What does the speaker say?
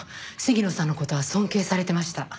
鴫野さんの事は尊敬されてました。